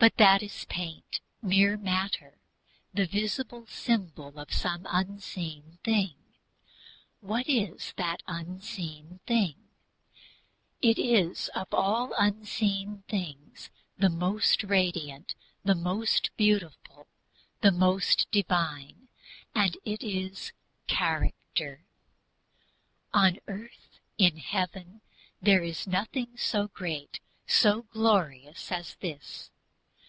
But that is paint, mere matter, the visible symbol of some unseen thing. What is that unseen thing? It is that of all unseen things the most radiant, the most beautiful, the most Divine, and that is Character. On earth, in Heaven, there is nothing so great, so glorious as this.